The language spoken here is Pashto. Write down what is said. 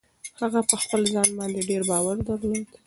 هغه په خپل ځان باندې ډېر باور درلود.